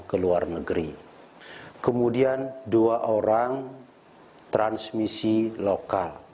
kemudian dua orang transmisi lokal